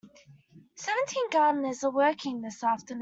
Seventeen gardeners are working this afternoon.